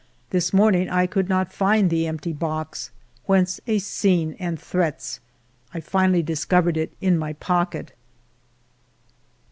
This morning I could not find the empty box, whence a scene and threats. I finally discovered it in my pocket.